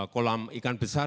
kolam ikan besar